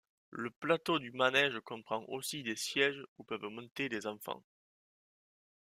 Le plateau du manège comprend aussi des sièges où peuvent monter des enfants.